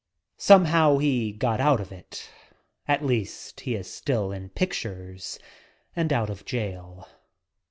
Somehow he got out of it. At least, he is still in pictures and out of jail.